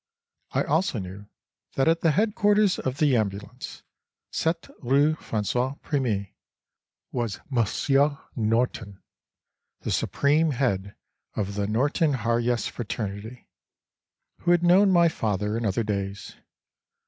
I also knew that at the headquarters of the Ambulance, 7 rue François Premier, was Monsieur Norton, the supreme head of the Norton Harjes fraternity, who had known my father in other days.